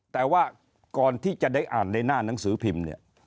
แต่ว่าก่อนที่จะได้อ่านในหน้าหนังสือพิมพ์เนี่ย